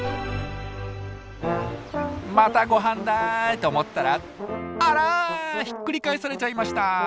またごはんだと思ったらあらひっくり返されちゃいました。